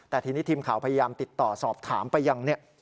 แต่ทีนี้ทีมข่าวพยายามติดต่อสอบถามไปยังเนี่ย